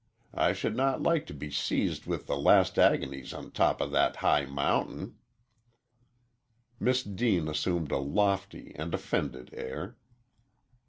I should not like to be seized with the last agonies on top of a high mountain." Miss Deane assumed a lofty and offended air.